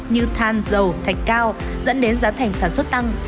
như than dầu thạch cao dẫn đến giá thành sản xuất tăng